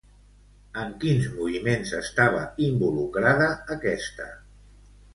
En quins moviments estava involucrada aquesta?